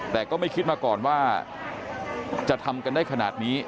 แต่ก็ไม่คิดมาก่อนว่าจะทำกันได้ขนาดนี้